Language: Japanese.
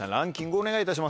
お願いいたします。